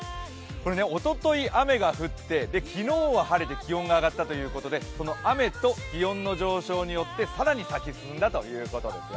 これ、おととい雨が降って昨日は晴れて気温が上がったということでこの雨と気温の上昇によって更に咲き進んだということですよ。